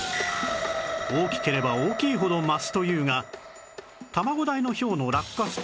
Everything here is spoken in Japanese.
大きければ大きいほど増すというが卵大のひょうの落下スピードは？